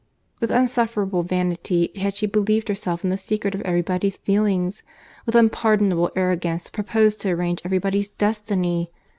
With insufferable vanity had she believed herself in the secret of every body's feelings; with unpardonable arrogance proposed to arrange every body's destiny.